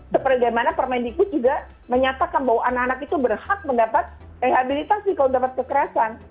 sebagaimana permendikbud juga menyatakan bahwa anak anak itu berhak mendapat rehabilitasi kalau dapat kekerasan